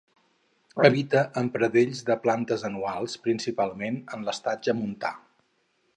Habita en pradells de plantes anuals, principalment en l'estatge montà.